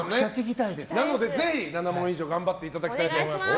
なので、ぜひ７問以上頑張っていただきたいと思います。